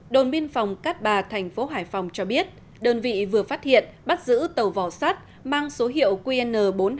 đồn biên phòng cát bà thành phố hải phòng cho biết đơn vị vừa phát hiện bắt giữ tàu vỏ sắt mang số hiệu qn bốn nghìn hai trăm tám mươi tám